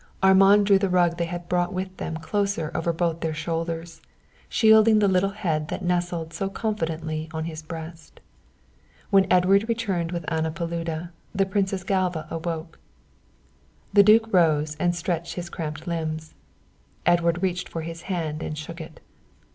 Armand drew the rug they had brought with them closer over both their shoulders, shielding the little head that nestled so confidingly on his breast. When Edward returned with Anna Paluda, the Princess Galva awoke. The duke rose and stretched his cramped limbs. Edward reached for his hand and shook it.